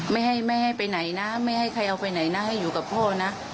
ไม่ให้ไม่ให้ไปไหนนะไม่ให้ใครเอาไปไหนนะให้อยู่กับพ่อนะ